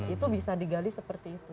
itu bisa digali seperti itu